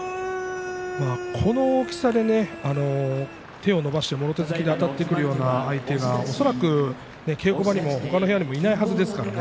この大きさで手を伸ばしてもろ手突きであたってくるような相手は恐らく稽古場にも他の部屋にもいないはずですからね。